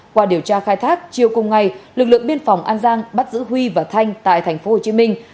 qua điều tra khai thác chiều cùng ngày lực lượng biên phòng an giang bắt giữ huy và thanh tại thành phố hồ chí minh